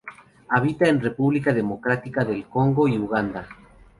Habita en República Democrática del Congo y Uganda.